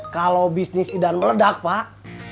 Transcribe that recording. kalau bisnis idan meledak pak